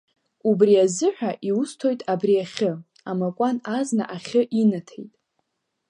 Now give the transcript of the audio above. Убри азыҳәа иусҭоит абри ахьы амакәан азна ахьы инаҭеит.